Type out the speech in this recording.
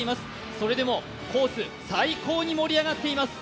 それでもコース、最高に盛り上がっています。